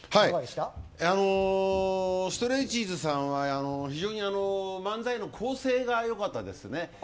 ストレッチーズさんは漫才の構成が良かったですね。